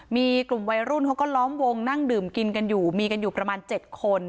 มีกลุ่มวัยรุ่นเขาก็ล้อมวงนั่งดื่มกินกันอยู่มีกันอยู่ประมาณ๗คน